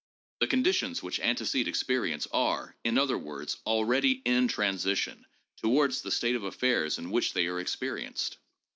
The conditions which antecede experience are, in other words, already in transition towards the state of affairs in which they are experienced.